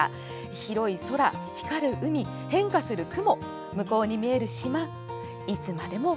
広い空、光る海、変化する雲向こうに見える島。